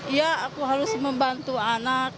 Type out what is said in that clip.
iya aku harus membantu anak